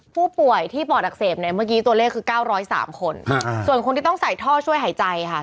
ผู้ป่วยที่ปอดอักเสบเนี่ยเมื่อกี้ตัวเลขคือ๙๐๓คนส่วนคนที่ต้องใส่ท่อช่วยหายใจค่ะ